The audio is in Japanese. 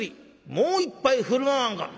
もう一杯振る舞わんか」。